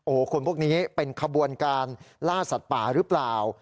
โอ้โหคนพวกนี้เป็นขบวนการล่าสัตว์ป่าหรือเปล่า